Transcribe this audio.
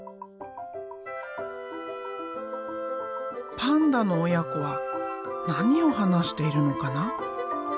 パンダの親子は何を話しているのかな？